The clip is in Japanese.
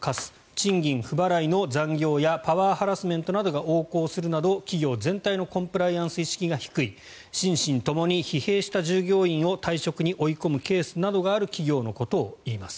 賃金不払い残業やパワーハラスメントが横行するなど企業全体のコンプライアンス意識が低い心身ともに疲弊した従業員を退職に追い込むケースなどがある企業のことを言います。